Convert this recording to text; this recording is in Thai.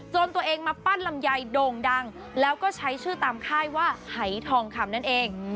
ตัวเองมาปั้นลำไยโด่งดังแล้วก็ใช้ชื่อตามค่ายว่าหายทองคำนั่นเอง